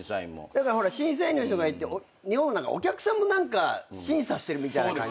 だから審査員の人がいてお客さんも何か審査してるみたいな感じ。